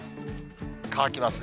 乾きますね。